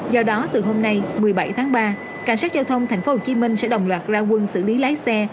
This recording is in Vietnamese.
do đó từ hôm nay một mươi bảy tháng ba cảnh sát giao thông tp hcm sẽ đồng loạt ra quân xử lý lái xe